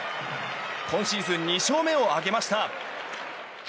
今シーズン２勝目を挙げました。